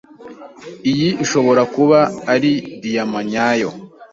Iyi ishobora kuba ari diyama nyayo.